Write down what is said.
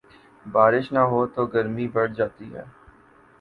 بارش نہ ہوتو گرمی بڑھ جاتی ہے۔